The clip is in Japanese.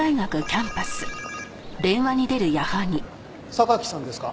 榊さんですか？